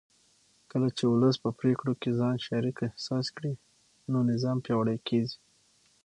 کله چې ولس په پرېکړو کې ځان شریک احساس کړي نو نظام پیاوړی کېږي